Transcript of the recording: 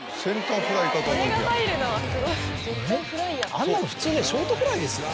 あんなの普通ねショートフライですよ。